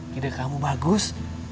gede kamu bagus